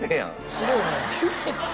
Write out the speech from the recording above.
すごいね。